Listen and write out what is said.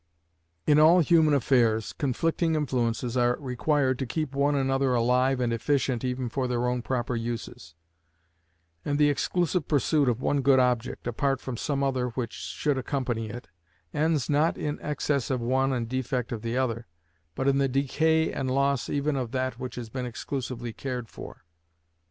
In all human affairs, conflicting influences are required to keep one another alive and efficient even for their own proper uses; and the exclusive pursuit of one good object, apart from some other which should accompany it, ends not in excess of one and defect of the other, but in the decay and loss even of that which has been exclusively cared for.